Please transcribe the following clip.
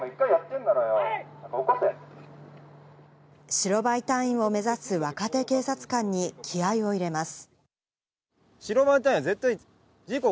白バイ隊員を目指す若手警察官に気合を入れます。